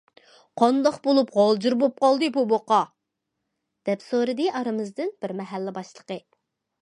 قانداق بولۇپ غالجىر بولۇپ قالدى بۇ بۇقا؟ دەپ سورىدى ئارىمىزدىن بىر مەھەللە باشلىقى.